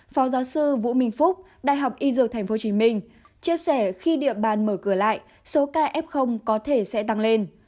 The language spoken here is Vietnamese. phó giáo sư vũ minh phúc đại học y dược tp hcm chia sẻ khi địa bàn mở cửa lại số ca f có thể sẽ tăng lên